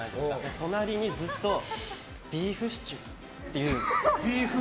隣にずっとビーフシチュー？っていう。